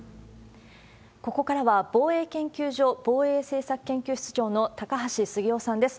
ここからは、防衛研究所防衛政策研究室長の高橋杉雄さんです。